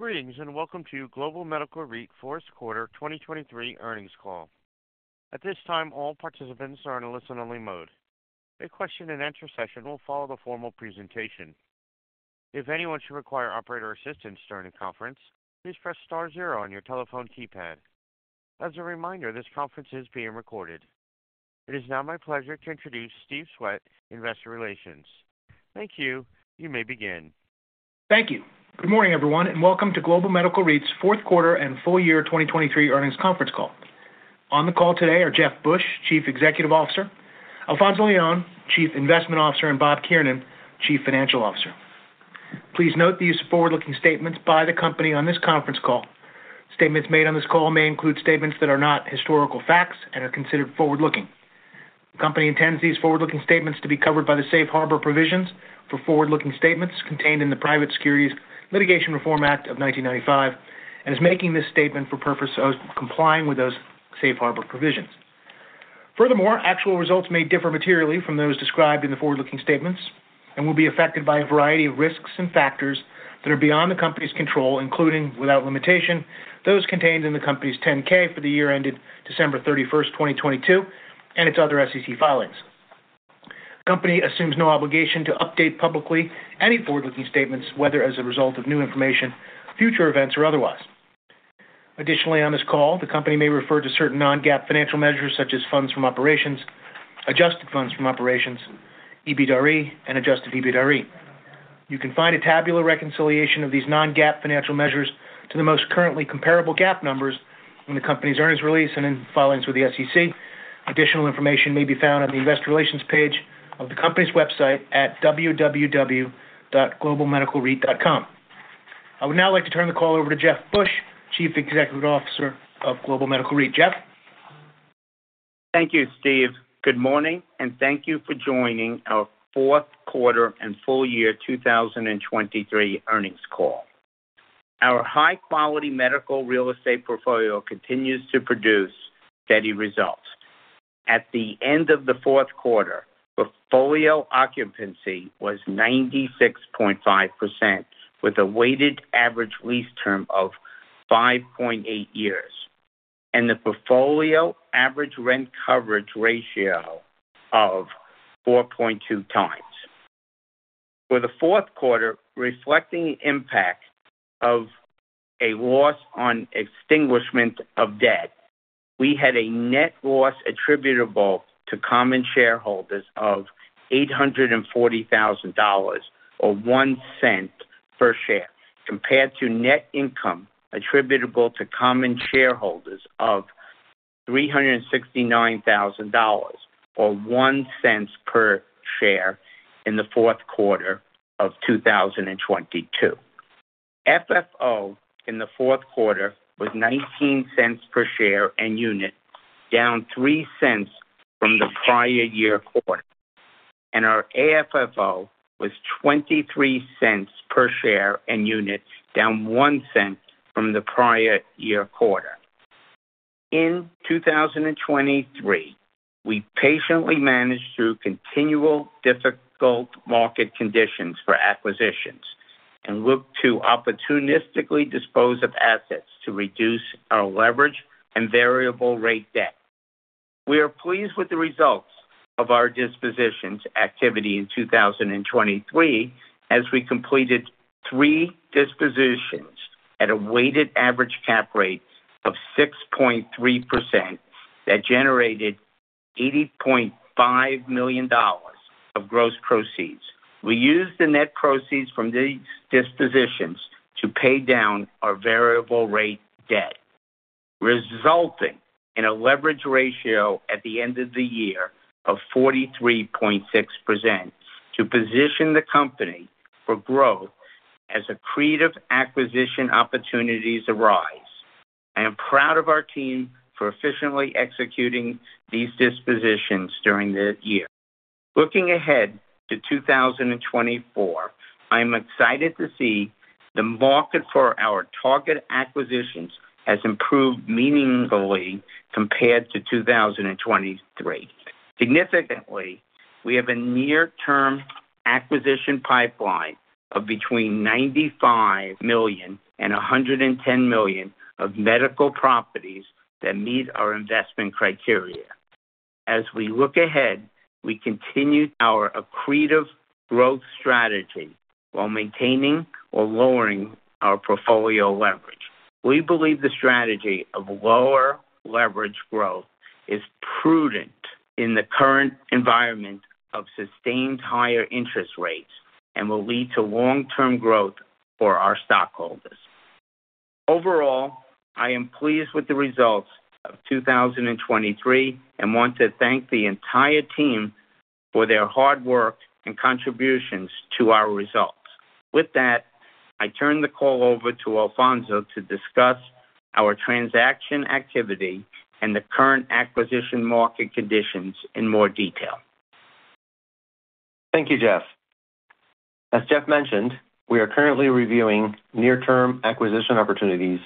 Greetings and welcome to Global Medical REIT Fourth Quarter 2023 Earnings Call. At this time, all participants are in a listen-only mode. A question-and-answer session will follow the formal presentation. If anyone should require operator assistance during the conference, please press star zero on your telephone keypad. As a reminder, this conference is being recorded. It is now my pleasure to introduce Steve Swett, Investor Relations. Thank you. You may begin. Thank you. Good morning, everyone, and welcome to Global Medical REIT's fourth quarter and full year 2023 earnings conference call. On the call today are Jeff Busch, Chief Executive Officer, Alfonzo Leon, Chief Investment Officer, and Bob Kiernan, Chief Financial Officer. Please note the use of forward-looking statements by the company on this conference call. Statements made on this call may include statements that are not historical facts and are considered forward-looking. The company intends these forward-looking statements to be covered by the Safe Harbor provisions for forward-looking statements contained in the Private Securities Litigation Reform Act of 1995 and is making this statement for purpose of complying with those Safe Harbor provisions. Furthermore, actual results may differ materially from those described in the forward-looking statements and will be affected by a variety of risks and factors that are beyond the company's control, including, without limitation, those contained in the company's 10-K for the year ended December 31st, 2022, and its other SEC filings. The company assumes no obligation to update publicly any forward-looking statements, whether as a result of new information, future events, or otherwise. Additionally, on this call, the company may refer to certain non-GAAP financial measures such as funds from operations, adjusted funds from operations, EBITDA rate, and adjusted EBITDA rate. You can find a tabular reconciliation of these non-GAAP financial measures to the most currently comparable GAAP numbers in the company's earnings release and in filings with the SEC. Additional information may be found on the investor relations page of the company's website at www.globalmedicalreit.com. I would now like to turn the call over to Jeff Busch, Chief Executive Officer of Global Medical REIT. Jeff? Thank you, Steve. Good morning, and thank you for joining our fourth quarter and full year 2023 earnings call. Our high-quality medical real estate portfolio continues to produce steady results. At the end of the fourth quarter, portfolio occupancy was 96.5% with a weighted average lease term of 5.8 years and the portfolio average rent coverage ratio of 4.2x. For the fourth quarter, reflecting the impact of a loss on extinguishment of debt, we had a net loss attributable to common shareholders of $840,000 or $0.01 per share compared to net income attributable to common shareholders of $369,000 or $0.01 per share in the fourth quarter of 2022. FFO in the fourth quarter was $0.19 per share and unit, down $0.03 from the prior year quarter, and our AFFO was $0.23 per share and unit, down $0.01 from the prior year quarter. In 2023, we patiently managed through continual difficult market conditions for acquisitions and looked to opportunistically dispose of assets to reduce our leverage and variable-rate debt. We are pleased with the results of our dispositions activity in 2023 as we completed three dispositions at a weighted average cap rate of 6.3% that generated $80.5 million of gross proceeds. We used the net proceeds from these dispositions to pay down our variable-rate debt, resulting in a leverage ratio at the end of the year of 43.6% to position the company for growth as accretive acquisition opportunities arise. I am proud of our team for efficiently executing these dispositions during the year. Looking ahead to 2024, I am excited to see the market for our target acquisitions has improved meaningfully compared to 2023. Significantly, we have a near-term acquisition pipeline of between $95 million-$110 million of medical properties that meet our investment criteria. As we look ahead, we continue our accretive growth strategy while maintaining or lowering our portfolio leverage. We believe the strategy of lower leverage growth is prudent in the current environment of sustained higher interest rates and will lead to long-term growth for our stockholders. Overall, I am pleased with the results of 2023 and want to thank the entire team for their hard work and contributions to our results. With that, I turn the call over to Alfonzo to discuss our transaction activity and the current acquisition market conditions in more detail. Thank you, Jeff. As Jeff mentioned, we are currently reviewing near-term acquisition opportunities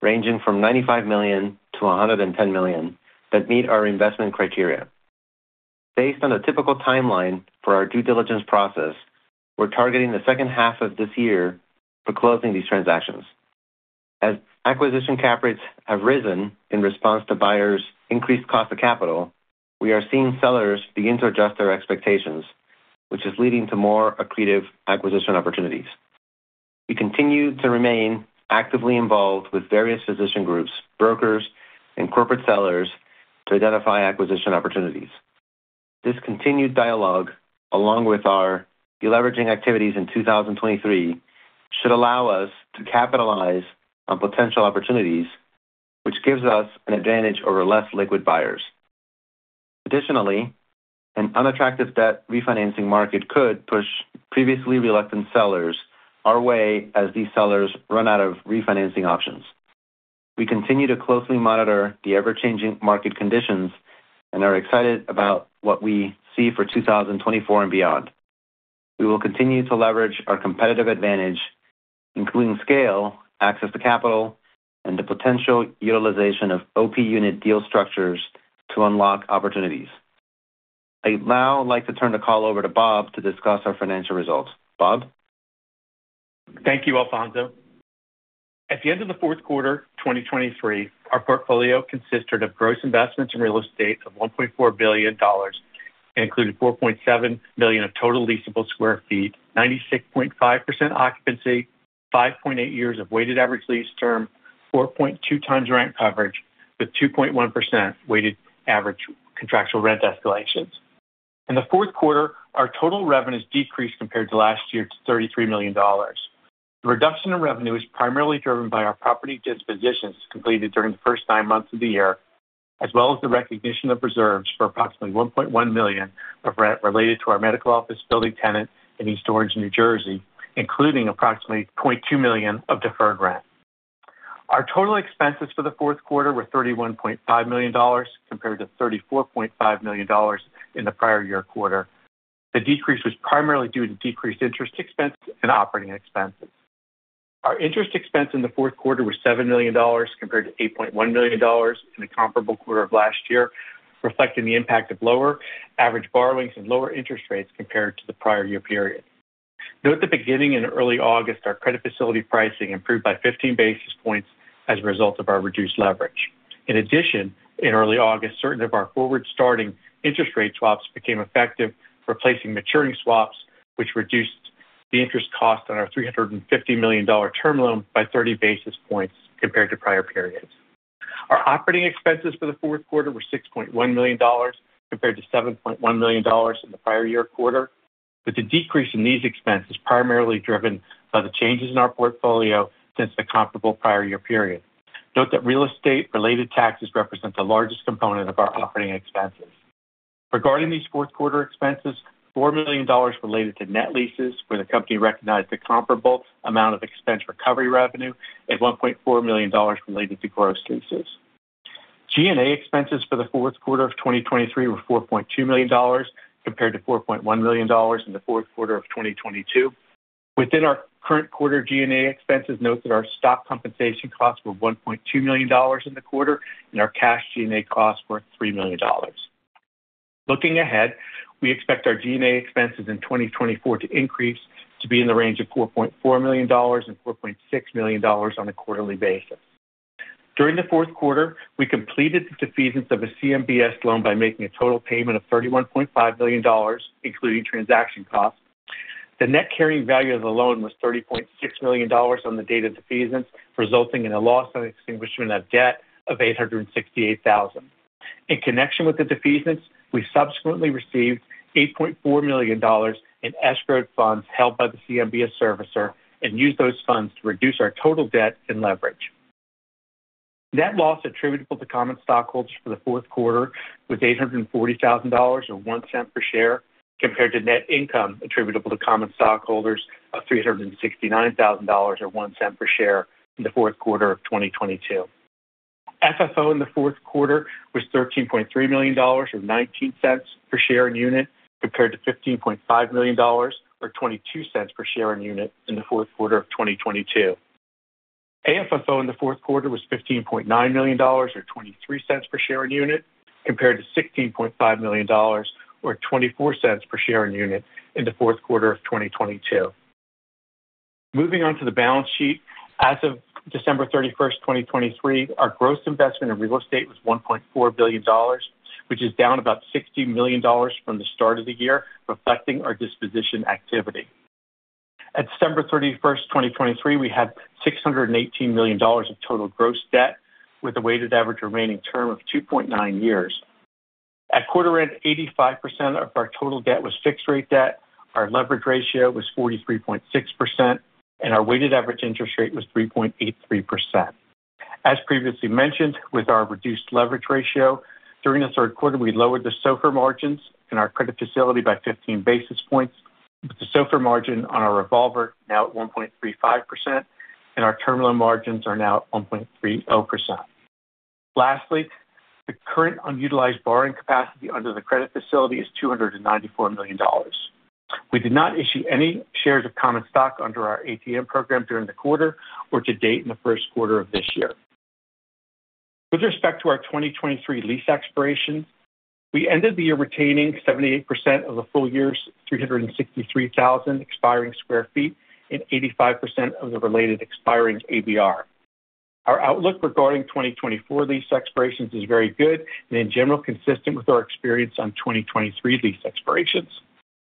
ranging from $95 million-$110 million that meet our investment criteria. Based on a typical timeline for our due diligence process, we're targeting the second half of this year for closing these transactions. As acquisition cap rates have risen in response to buyers' increased cost of capital, we are seeing sellers begin to adjust their expectations, which is leading to more accretive acquisition opportunities. We continue to remain actively involved with various physician groups, brokers, and corporate sellers to identify acquisition opportunities. This continued dialogue, along with our deleveraging activities in 2023, should allow us to capitalize on potential opportunities, which gives us an advantage over less liquid buyers. Additionally, an unattractive debt refinancing market could push previously reluctant sellers our way as these sellers run out of refinancing options. We continue to closely monitor the ever-changing market conditions and are excited about what we see for 2024 and beyond. We will continue to leverage our competitive advantage, including scale, access to capital, and the potential utilization of OP unit deal structures to unlock opportunities. I'd now like to turn the call over to Bob to discuss our financial results. Bob? Thank you, Alfonzo. At the end of the fourth quarter 2023, our portfolio consisted of gross investments in real estate of $1.4 billion and included 4.7 million sq ft of total leasable square feet, 96.5% occupancy, 5.8 years of weighted average lease term, 4.2 times rent coverage with 2.1% weighted average contractual rent escalations. In the fourth quarter, our total revenue has decreased compared to last year to $33 million. The reduction in revenue is primarily driven by our property dispositions completed during the first nine months of the year, as well as the recognition of reserves for approximately $1.1 million of rent related to our medical office building tenant in East Orange, New Jersey, including approximately $0.2 million of deferred rent. Our total expenses for the fourth quarter were $31.5 million compared to $34.5 million in the prior year quarter. The decrease was primarily due to decreased interest expense and operating expenses. Our interest expense in the fourth quarter was $7 million compared to $8.1 million in the comparable quarter of last year, reflecting the impact of lower average borrowings and lower interest rates compared to the prior year period. Note that beginning in early August, our credit facility pricing improved by 15 basis points as a result of our reduced leverage. In addition, in early August, certain of our forward-starting interest rate swaps became effective, replacing maturing swaps, which reduced the interest cost on our $350 million term loan by 30 basis points compared to prior periods. Our operating expenses for the fourth quarter were $6.1 million compared to $7.1 million in the prior year quarter, with the decrease in these expenses primarily driven by the changes in our portfolio since the comparable prior year period. Note that real estate-related taxes represent the largest component of our operating expenses. Regarding these fourth quarter expenses, $4 million related to net leases, where the company recognized a comparable amount of expense recovery revenue, and $1.4 million related to gross leases. G&A expenses for the fourth quarter of 2023 were $4.2 million compared to $4.1 million in the fourth quarter of 2022. Within our current quarter G&A expenses, note that our stock compensation costs were $1.2 million in the quarter, and our cash G&A costs were $3 million. Looking ahead, we expect our G&A expenses in 2024 to increase to be in the range of $4.4 million-$4.6 million on a quarterly basis. During the fourth quarter, we completed the defeasance of a CMBS loan by making a total payment of $31.5 million, including transaction costs. The net carrying value of the loan was $30.6 million on the date of defeasance, resulting in a loss on extinguishment of debt of $868,000. In connection with the defeasance, we subsequently received $8.4 million in escrowed funds held by the CMBS servicer and used those funds to reduce our total debt and leverage. Net loss attributable to common stockholders for the fourth quarter was $840,000 or $0.01 per share compared to net income attributable to common stockholders of $369,000 or $0.01 per share in the fourth quarter of 2022. FFO in the fourth quarter was $13.3 million or $0.19 per share and unit compared to $15.5 million or $0.22 per share and unit in the fourth quarter of 2022. AFFO in the fourth quarter was $15.9 million or $0.23 per share and unit compared to $16.5 million or $0.24 per share and unit in the fourth quarter of 2022. Moving on to the balance sheet, as of December 31st, 2023, our gross investment in real estate was $1.4 billion, which is down about $60 million from the start of the year, reflecting our disposition activity. At December 31st, 2023, we had $618 million of total gross debt with a weighted average remaining term of 2.9 years. At quarter end, 85% of our total debt was fixed-rate debt. Our leverage ratio was 43.6%, and our weighted average interest rate was 3.83%. As previously mentioned, with our reduced leverage ratio, during the third quarter, we lowered the SOFR margins in our credit facility by 15 basis points, with the SOFR margin on our revolver now at 1.35%, and our term loan margins are now at 1.30%. Lastly, the current unutilized borrowing capacity under the credit facility is $294 million. We did not issue any shares of common stock under our ATM program during the quarter or to date in the first quarter of this year. With respect to our 2023 lease expirations, we ended the year retaining 78% of the full year's $363,000 expiring sq ft and 85% of the related expiring ABR. Our outlook regarding 2024 lease expirations is very good and, in general, consistent with our experience on 2023 lease expirations.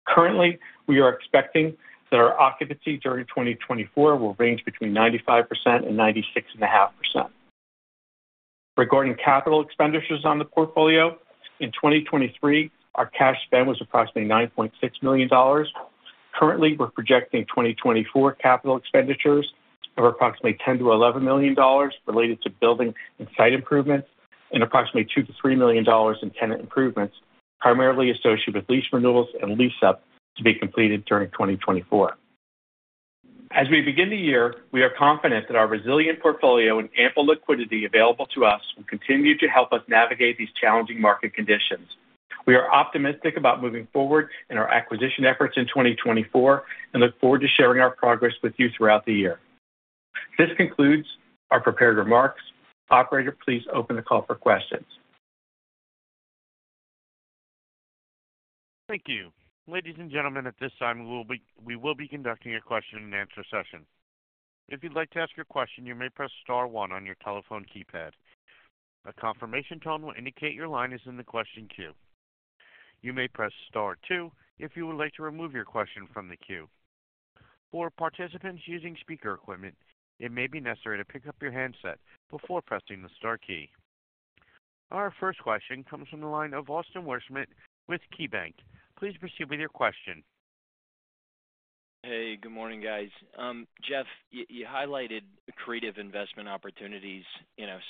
Currently, we are expecting that our occupancy during 2024 will range between 95% and 96.5%. Regarding capital expenditures on the portfolio, in 2023, our cash spend was approximately $9.6 million. Currently, we're projecting 2024 capital expenditures of approximately $10-$11 million related to building and site improvements and approximately $2-$3 million in tenant improvements, primarily associated with lease renewals and lease-up to be completed during 2024. As we begin the year, we are confident that our resilient portfolio and ample liquidity available to us will continue to help us navigate these challenging market conditions. We are optimistic about moving forward in our acquisition efforts in 2024 and look forward to sharing our progress with you throughout the year. This concludes our prepared remarks. Operator, please open the call for questions. Thank you. Ladies and gentlemen, at this time, we will be conducting a question-and-answer session. If you'd like to ask your question, you may press star one on your telephone keypad. A confirmation tone will indicate your line is in the question queue. You may press star two if you would like to remove your question from the queue. For participants using speaker equipment, it may be necessary to pick up your handset before pressing the star key. Our first question comes from the line of Austin Wurschmidt with KeyBanc. Please proceed with your question. Hey, good morning, guys. Jeff, you highlighted accretive investment opportunities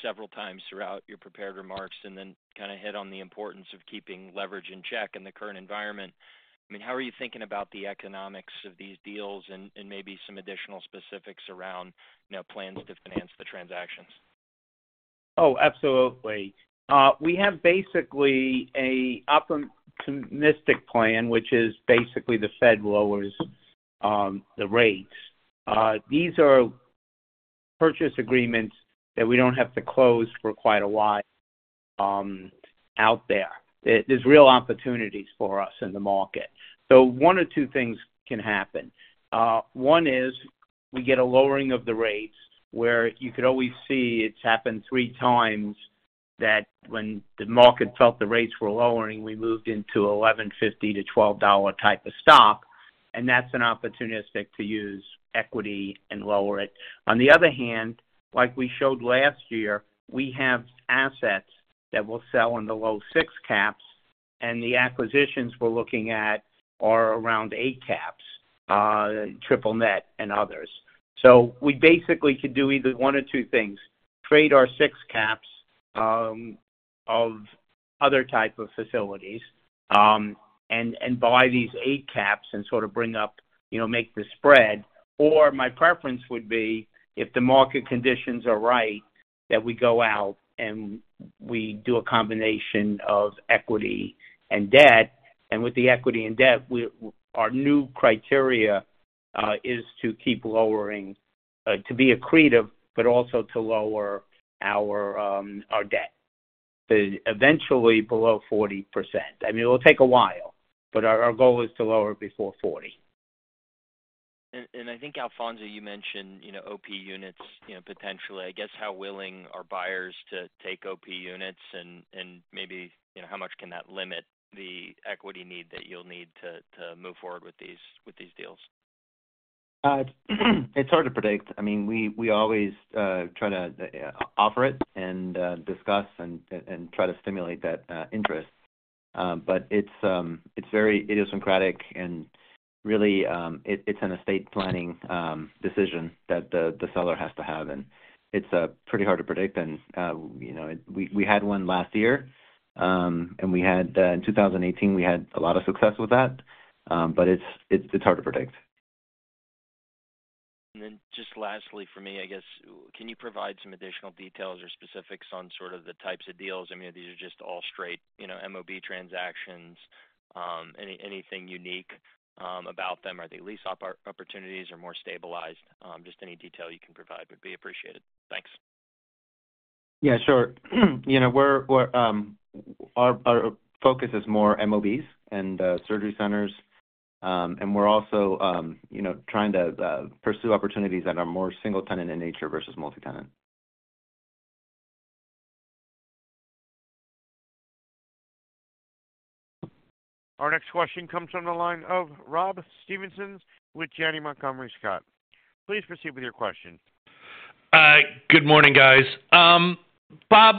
several times throughout your prepared remarks and then kind of hit on the importance of keeping leverage in check in the current environment. I mean, how are you thinking about the economics of these deals and maybe some additional specifics around plans to finance the transactions? Oh, absolutely. We have basically an opportunistic plan, which is basically the Fed lowers the rates. These are purchase agreements that we don't have to close for quite a while out there. There's real opportunities for us in the market. So one or two things can happen. One is we get a lowering of the rates where you could always see it's happened three times that when the market felt the rates were lowering, we moved into $11.50-$12 type of stock, and that's an opportunistic to use equity and lower it. On the other hand, like we showed last year, we have assets that we'll sell in the low six caps, and the acquisitions we're looking at are around eight caps, triple net, and others. So we basically could do either one or two things: trade our six caps of other type of facilities and buy these eight caps and sort of bring up, make the spread, or my preference would be, if the market conditions are right, that we go out and we do a combination of equity and debt. With the equity and debt, our new criteria is to keep lowering to be accretive but also to lower our debt, eventually below 40%. I mean, it'll take a while, but our goal is to lower it before 40. I think, Alfonzo, you mentioned OP Units potentially. I guess how willing are buyers to take OP Units, and maybe how much can that limit the equity need that you'll need to move forward with these deals? It's hard to predict. I mean, we always try to offer it and discuss and try to stimulate that interest, but it's very idiosyncratic, and really, it's an estate planning decision that the seller has to have. And it's pretty hard to predict. And we had one last year, and in 2018, we had a lot of success with that, but it's hard to predict. And then just lastly for me, I guess, can you provide some additional details or specifics on sort of the types of deals? I mean, these are just all straight MOB transactions. Anything unique about them? Are they lease opportunities or more stabilized? Just any detail you can provide would be appreciated. Thanks. Yeah, sure. Our focus is more MOBs and surgery centers, and we're also trying to pursue opportunities that are more single-tenant in nature versus multi-tenant. Our next question comes on the line of Rob Stevenson with Janney Montgomery Scott. Please proceed with your question. Good morning, guys. Bob,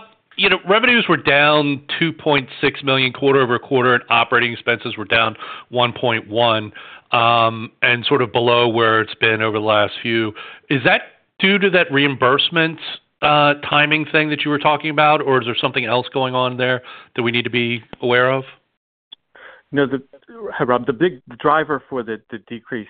revenues were down $2.6 million quarter-over-quarter, and operating expenses were down $1.1 million and sort of below where it's been over the last few. Is that due to that reimbursement timing thing that you were talking about, or is there something else going on there that we need to be aware of? No, Rob, the big driver for the decrease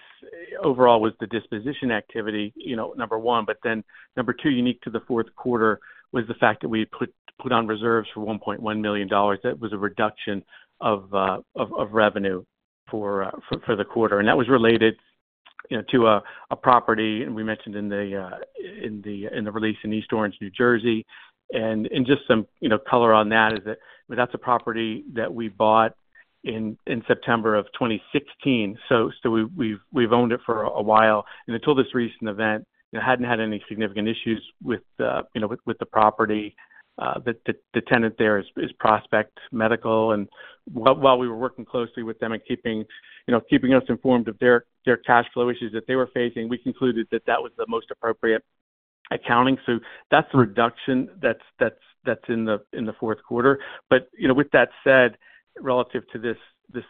overall was the disposition activity, number one but then number two, unique to the fourth quarter, was the fact that we put on reserves for $1.1 million. That was a reduction of revenue for the quarter. And that was related to a property we mentioned in the release in East Orange, New Jersey. And just some color on that is that that's a property that we bought in September of 2016. So we've owned it for a while, and until this recent event, hadn't had any significant issues with the property. The tenant there is Prospect Medical. And while we were working closely with them and keeping us informed of their cash flow issues that they were facing, we concluded that that was the most appropriate accounting. So that's the reduction that's in the fourth quarter. But with that said, relative to this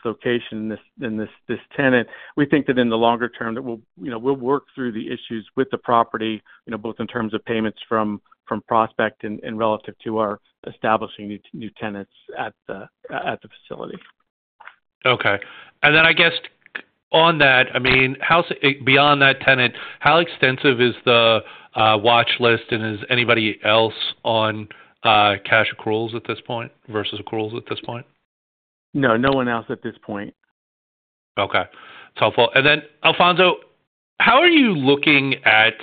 location and this tenant, we think that in the longer term, we'll work through the issues with the property, both in terms of payments from Prospect and relative to our establishing new tenants at the facility. Okay. Then I guess on that, I mean, beyond that tenant, how extensive is the watchlist, and is anybody else on cash accruals at this point versus accruals at this point? No, no one else at this point. Okay. That's helpful. And then, Alfonzo, how are you looking at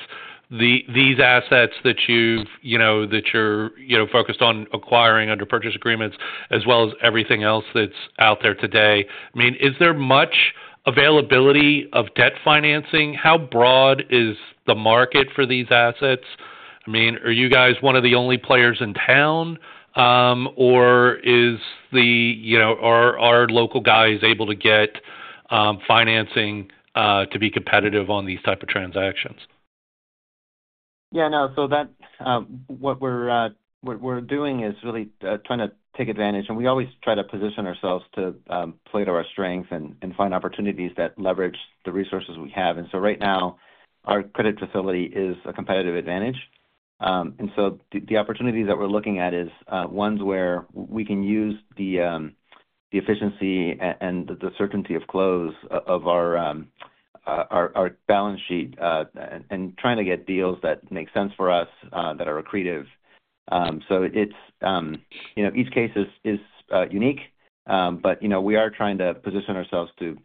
these assets that you've focused on acquiring under purchase agreements as well as everything else that's out there today? I mean, is there much availability of debt financing? How broad is the market for these assets? I mean, are you guys one of the only players in town, or are our local guys able to get financing to be competitive on these type of transactions? Yeah, no. So what we're doing is really trying to take advantage. And we always try to position ourselves to play to our strengths and find opportunities that leverage the resources we have. And so right now, our credit facility is a competitive advantage. And so the opportunities that we're looking at is ones where we can use the efficiency and the certainty of close of our balance sheet and trying to get deals that make sense for us that are accretive. So each case is unique, but we are trying to position ourselves to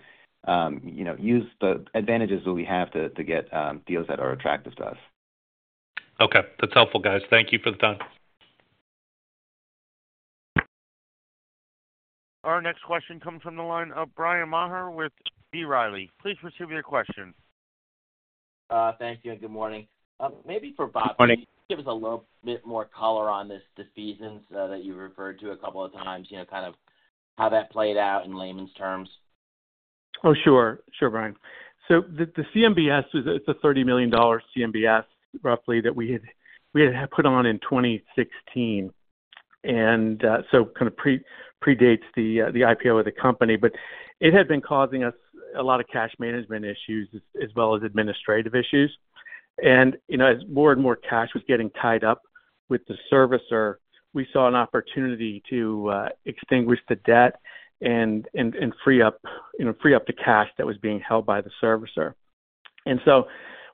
use the advantages that we have to get deals that are attractive to us. Okay. That's helpful, guys. Thank you for the time. Our next question comes from the line of Bryan Maher with B. Riley. Please proceed with your question. Thank you. Good morning. Maybe for Bob, could you give us a little bit more color on this defeasance that you referred to a couple of times, kind of how that played out in layman's terms? Oh, sure. Sure, Bryan. So the CMBS, it's a $30 million CMBS roughly that we had put on in 2016, and so kind of predates the IPO of the company. But it had been causing us a lot of cash management issues as well as administrative issues. And as more and more cash was getting tied up with the servicer, we saw an opportunity to extinguish the debt and free up the cash that was being held by the servicer. And so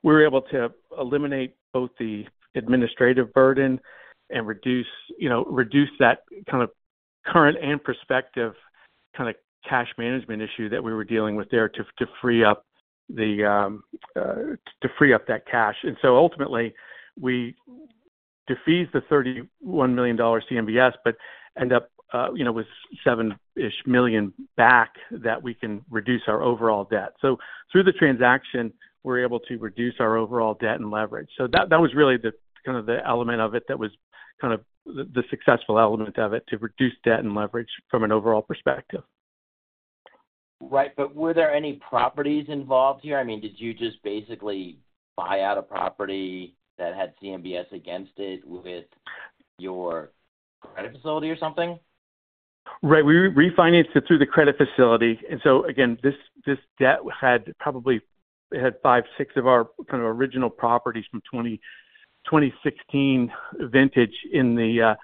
we were able to eliminate both the administrative burden and reduce that kind of current and prospective kind of cash management issue that we were dealing with there to free up that cash. And so ultimately, we defease the $31 million CMBS but end up with 7-ish million back that we can reduce our overall debt. So through the transaction, we're able to reduce our overall debt and leverage. So that was really kind of the element of it that was kind of the successful element of it, to reduce debt and leverage from an overall perspective. Right. But were there any properties involved here? I mean, did you just basically buy out a property that had CMBS against it with your credit facility or something? Right. We refinanced it through the credit facility. And so again, this debt had probably it had five, six of our kind of original properties from 2016 vintage in the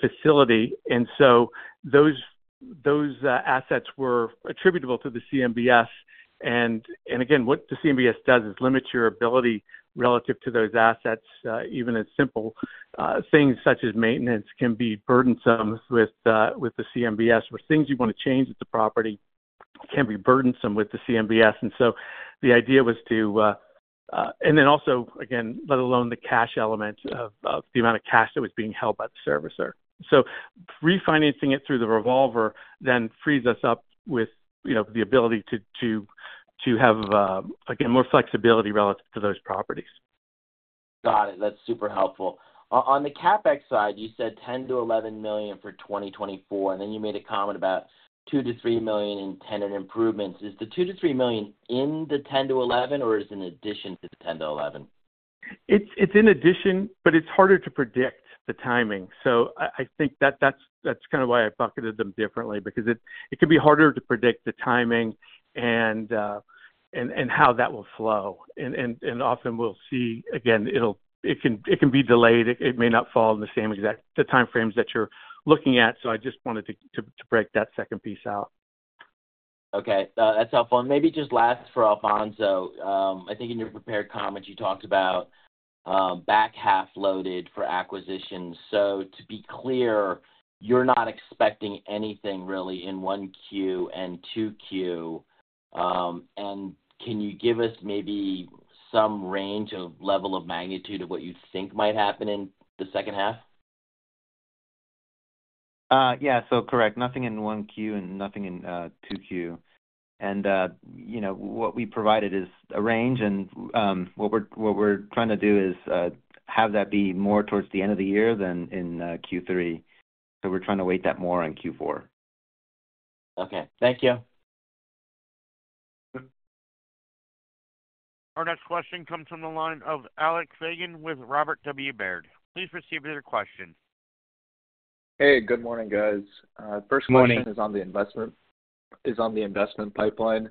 facility. And so those assets were attributable to the CMBS. And again, what the CMBS does is limit your ability relative to those assets. Even as simple things such as maintenance can be burdensome with the CMBS, or things you want to change at the property can be burdensome with the CMBS. And so the idea was to and then also, again, let alone the cash element of the amount of cash that was being held by the servicer. So refinancing it through the revolver then frees us up with the ability to have, again, more flexibility relative to those properties. Got it. That's super helpful. On the CapEx side, you said $10 million-$11 million for 2024, and then you made a comment about $2 million-$3 million in tenant improvements. Is the $2 million-$3 million in the $10 million-$11 million, or is it in addition to the $10 million-$11 million? It's in addition, but it's harder to predict the timing. So I think that's kind of why I bucketed them differently, because it can be harder to predict the timing and how that will flow. And often, we'll see again, it can be delayed. It may not fall in the same exact timeframes that you're looking at. So I just wanted to break that second piece out. Okay. That's helpful. And maybe just last for Alfonzo, I think in your prepared comments, you talked about back half loaded for acquisitions. So to be clear, you're not expecting anything really in Q1 and Q2. And can you give us maybe some range of level of magnitude of what you think might happen in the second half? Yeah, so correct. Nothing in Q1 and nothing in Q2. And what we provided is a range, and what we're trying to do is have that be more towards the end of the year than in Q3. So we're trying to wait that more in Q4. Okay. Thank you. Our next question comes from the line of Alex Fagan with Robert W. Baird. Please proceed with your question. Hey, good morning, guys. First question is on the investment pipeline.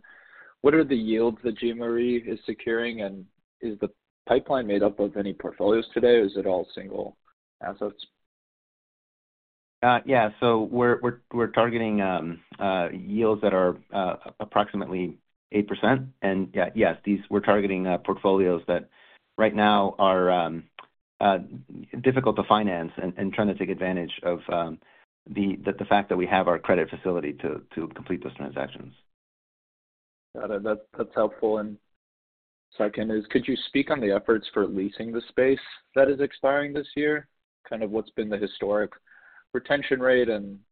What are the yields that GMRE is securing? And is the pipeline made up of any portfolios today, or is it all single assets? Yeah. We're targeting yields that are approximately 8%. Yes, we're targeting portfolios that right now are difficult to finance and trying to take advantage of the fact that we have our credit facility to complete those transactions. Got it. That's helpful. And second is, could you speak on the efforts for leasing the space that is expiring this year? Kind of what's been the historic retention rate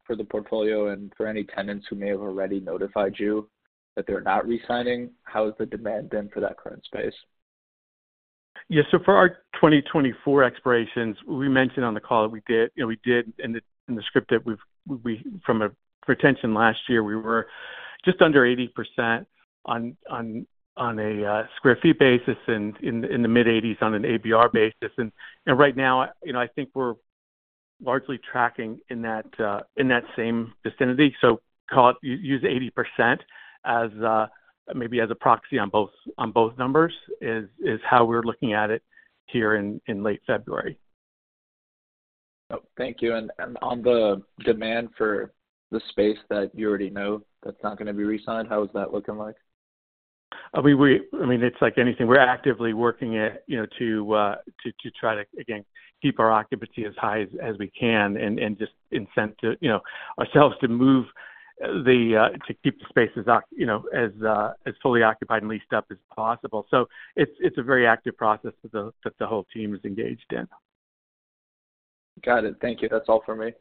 for the portfolio and for any tenants who may have already notified you that they're not re-signing? How has the demand been for that current space? Yeah. So for our 2024 expirations, we mentioned on the call that we did in the script that from a retention last year, we were just under 80% on a square feet basis and in the mid-80s% on an ABR basis. And right now, I think we're largely tracking in that same vicinity. So use 80% maybe as a proxy on both numbers is how we're looking at it here in late February. Thank you. On the demand for the space that you already know that's not going to be re-signed, how is that looking like? I mean, it's like anything. We're actively working to try to, again, keep our occupancy as high as we can and just incent ourselves to move to keep the spaces as fully occupied and leased up as possible. So it's a very active process that the whole team is engaged in. Got it. Thank you. That's all for me.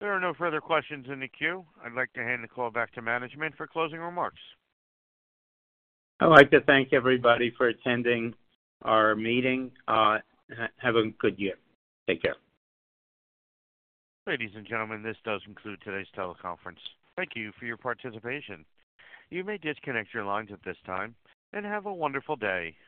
There are no further questions in the queue. I'd like to hand the call back to management for closing remarks. I'd like to thank everybody for attending our meeting. Have a good year. Take care. Ladies and gentlemen, this does conclude today's teleconference. Thank you for your participation. You may disconnect your lines at this time and have a wonderful day.